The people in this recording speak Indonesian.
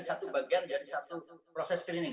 satu bagian dari satu proses screening